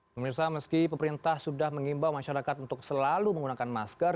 pemirsa meski pemerintah sudah mengimbau masyarakat untuk selalu menggunakan masker